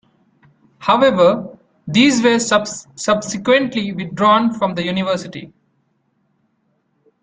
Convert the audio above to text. However, these were subsequently withdrawn from the University.